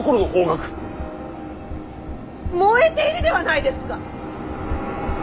燃えているではないですか！